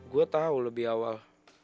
gue tau lebih awal